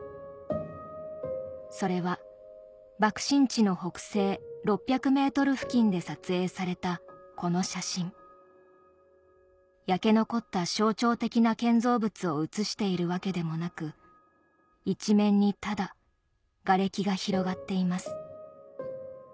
それは爆心地の北西６００ｍ付近で撮影されたこの写真焼け残った象徴的な建造物を写しているわけでもなく一面にただがれきが広がっています